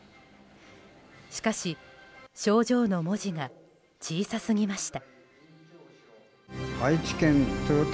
しかし、賞状の文字が小さすぎました。